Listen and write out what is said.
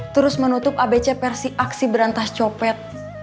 terus menutup abc versi aksi berantas copet